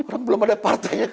orang belum ada partai orang gila